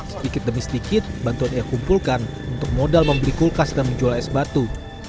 sedikit demi sedikit bantuan ia kumpulkan untuk modal membeli kulkas dan menjual es batu